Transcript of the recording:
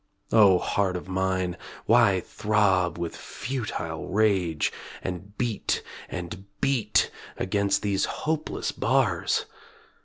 O heart of mine, why throb with futile rage And beat and beat against these hopeless bars?